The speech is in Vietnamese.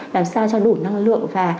làm sao cho đủ năng lượng